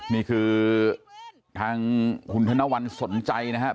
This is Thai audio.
นี่คือทางคุณธนวัลสนใจนะครับ